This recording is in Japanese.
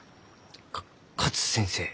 か勝先生？